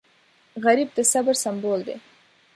غریب د صبر سمبول دی